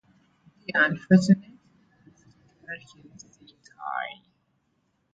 "Dear, unfortunate, mistaken Richard," said I.